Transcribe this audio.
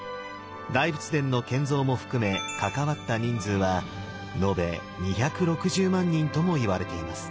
大仏殿の建造も含め関わった人数はのべ２６０万人ともいわれています。